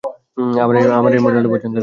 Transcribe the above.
আমার এই মডেলটা পছন্দের।